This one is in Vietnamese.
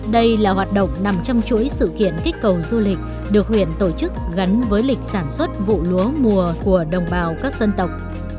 đây là hoạt động nằm trong chuỗi sự kiện kích cầu du lịch được huyện tổ chức gắn với lịch sản xuất vụ lúa mùa của đồng bào các dân tộc